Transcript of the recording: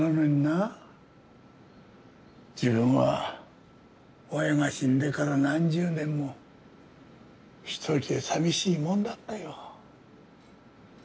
自分は親が死んでから何十年も独りで寂しいもんだったよ。